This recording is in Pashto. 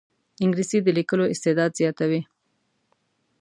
انګلیسي د لیکلو استعداد زیاتوي